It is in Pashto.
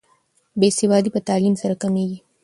بې سوادي په تعلیم سره کمیږي.